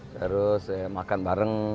terus makan bareng